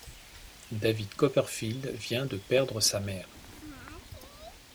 David Copperfield vient de perdre sa mère.